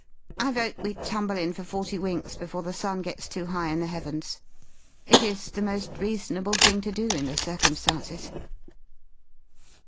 I vote we tumble in for forty winks before the sun gets too high in the heavens. It is the most reasonable thing to do in the circumstances."